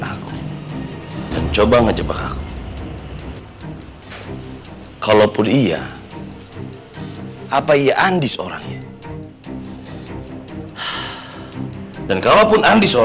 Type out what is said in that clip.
aku juga gak bisa nyalakain dia selama masih ada diiku